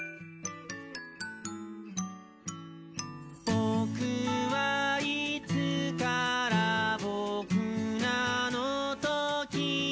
「ぼくはいつからぼくなのときみに」